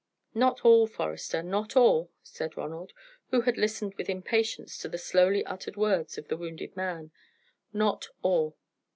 "Not all, Forester, not all," said Ronald, who had listened with impatience to the slowly uttered words of the wounded man; "not all.